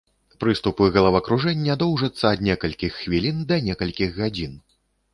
Прыступы галавакружэння доўжацца ад некалькіх хвілін да некалькіх гадзін.